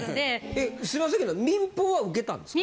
えすいませんけど民放は受けたんですか？